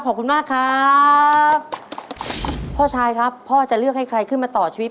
ขอบคุณมากครับพ่อชายครับพ่อจะเลือกให้ใครขึ้นมาต่อชีวิต